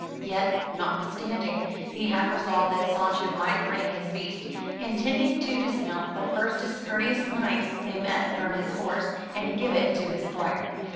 Yet, notwithstanding, he had resolved that Sancho might bring his beast, intending to dismount the first discour teous knight they met from his horse, and give it to his squire.